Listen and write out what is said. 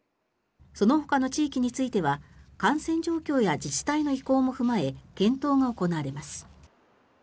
そのほかの地域については感染状況や自治体の意向も踏まえ検討が行われます。